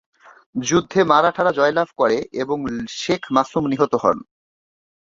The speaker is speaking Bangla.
যুদ্ধে মারাঠারা জয়লাভ করে এবং শেখ মাসুম নিহত হন।